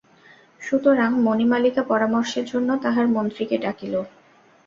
সুতরাৎ মণিমালিকা পরামর্শের জন্য তাহার মন্ত্রীকে ডাকিল।